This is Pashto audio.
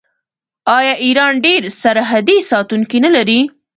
آیا ایران ډیر سرحدي ساتونکي نلري؟